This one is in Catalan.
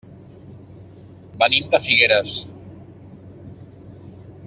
Venim de Figueres.